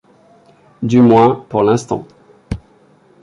Du moins pour l’instant...